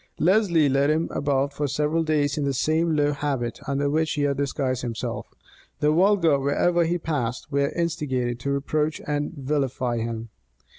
Lesley led him about for several days in the same low habit under which he had disguised himself. The vulgar, wherever he passed, were instigated to reproach and vilify him.